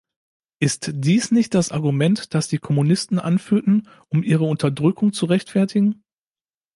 Ist dies nicht das Argument, das die Kommunisten anführten, um ihre Unterdrückung zu rechtfertigen?